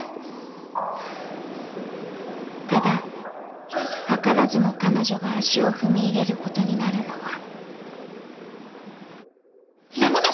［ただ図らずも彼女が足を踏み入れることになるのは］山梨？